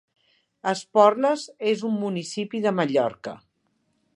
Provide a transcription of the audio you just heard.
Esporles és un municipi de Mallorca.